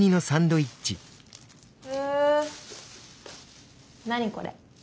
へえ何これ？